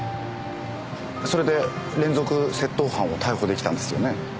それで連続窃盗犯を逮捕できたんですよね？